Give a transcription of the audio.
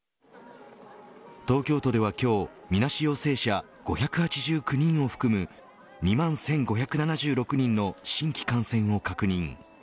東京都では今日みなし陽性者５８９人を含む２万１５７６人の新規感染を確認。